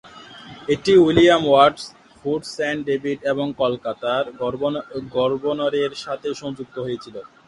এটি William Watts, fort saint David এবং কলকাতার গভর্নরের সাথে সংযুক্ত হয়েছিল।